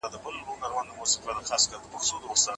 ډیپلوماسي د هېواد د بقا لپاره ده.